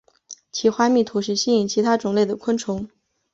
其花蜜同时吸引其他种类的昆虫。